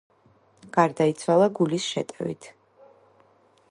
გარდაიცვალა გულის შეტევით.